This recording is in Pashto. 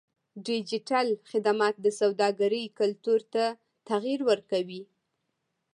ډیجیټل خدمات د سوداګرۍ کلتور ته تغیر ورکوي.